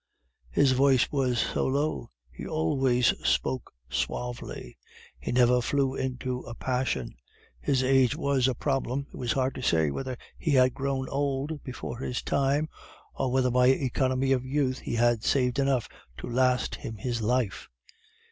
His voice was so low; he always spoke suavely; he never flew into a passion. His age was a problem; it was hard to say whether he had grown old before his time, or whether by economy of youth he had saved enough to last him his life.